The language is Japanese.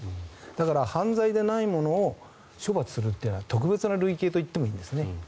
だから犯罪でないものを処罰するというのは特別な類型といってもいいんですね。